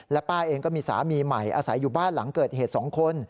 ป้าเองก็มีสามีใหม่อาศัยอยู่บ้านหลังเกิดเหตุ๒คน